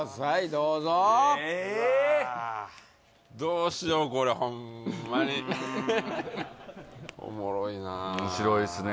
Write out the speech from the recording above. どうぞえっうわどうしようこれホンマにおもろいなあ面白いっすね